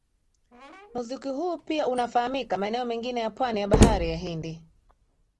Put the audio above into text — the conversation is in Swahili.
Muziki huu pia unafahamika maeneo mengine ya pwani ya Bahari ya Hindi